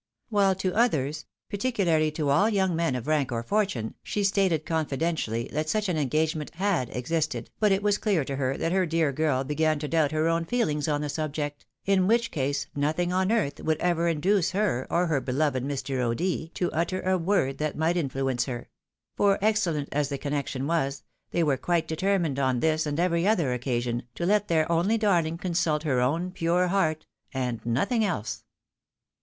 While to others, particularly to all young men of rank or fortune, she stated confidentially that such an engagement had existed, but it was clear to her that her dear girl began to doubt her own feelings on the subject, in which case nothing on earth would ever T 2 308 THE WIDOW MARRIED. induce her, or her beloved Mr. O'D., to utter a word that might influence tier ; for, excellent as the connection was, they were quite determined, on this and every other occasion, to let their only darhng consult her own pure heart, and nothing else